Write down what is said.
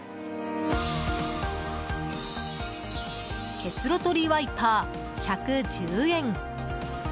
結露とりワイパー、１１０円。